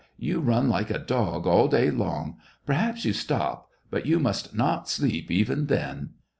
" You run like a dog all day long; perhaps you stop — but you must not sleep, even then